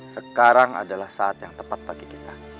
sekarang adalah saat yang tepat bagi kita